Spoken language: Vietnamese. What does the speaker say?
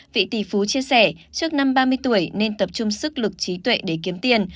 vị tỷ phú chia sẻ trước năm ba mươi tuổi nên tập trung sức lực trí tuệ để kiếm tiền